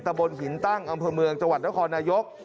บนหินตั้งอำเภอเมืองจังหวัดนครนายก